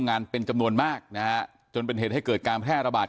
งานเป็นจำนวนมากนะฮะจนเป็นเหตุให้เกิดการแพร่ระบาด